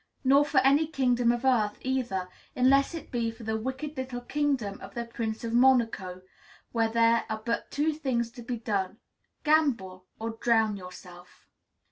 Nor for any kingdom of earth, either, unless it be for the wicked little kingdom of the Prince of Monaco, where there are but two things to be done, gamble, or drown yourself.